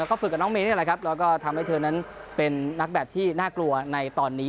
แล้วก็ฝึกกับน้องเมย์นี่แหละครับแล้วก็ทำให้เธอนั้นเป็นนักแบบที่น่ากลัวในตอนนี้